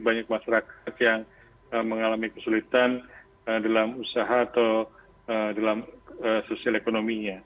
banyak masyarakat yang mengalami kesulitan dalam usaha atau dalam sosial ekonominya